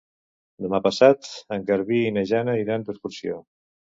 Demà passat en Garbí i na Jana iran d'excursió.